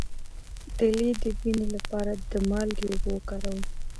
د لۍ د وینې لپاره د مالګې اوبه وکاروئ